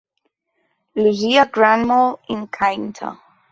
Lucia Grand Mall in Cainta.